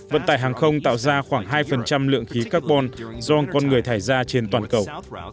vận tải hàng không tạo ra khoảng hai lượng khí carbon do con người thải ra trên toàn cầu